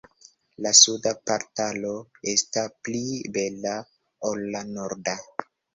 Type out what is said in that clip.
La suda portalo esta pli bela ol la norda.